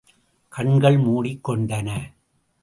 கண்கள் மூடிக் கொண்டன.